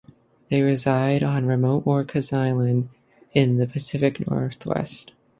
They reside on remote Orcas Island in the Pacific Northwest.